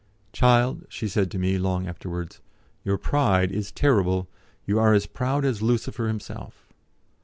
"Child," she said to me long afterwards, "your pride is terrible; you are as proud as Lucifer himself."